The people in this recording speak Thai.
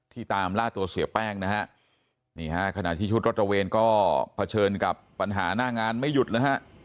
ตามล่าตัวเสียแป้งนะฮะนี่ฮะขณะที่ชุดรถระเวนก็เผชิญกับปัญหาหน้างานไม่หยุดนะฮะ